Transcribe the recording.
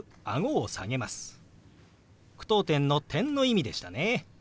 句読点の「、」の意味でしたね。